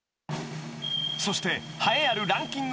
［そして栄えあるランキング